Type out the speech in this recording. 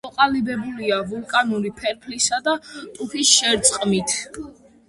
ჩამოყალიბებულია ვულკანური ფერფლისა და ტუფის შერწყმით.